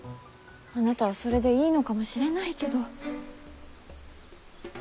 あなたはそれでいいのかもしれないけど。